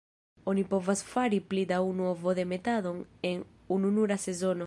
Oni povas fari pli da unu ovodemetadon en ununura sezono.